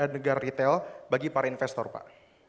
negara retail bagi para investor pak